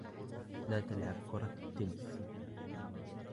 لا تلعب كرة التنس.